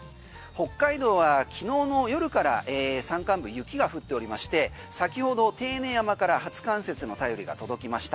北海道はきのうの夜から山間部、雪が降っておりまして先ほど手稲山から初冠雪の便りが届きました。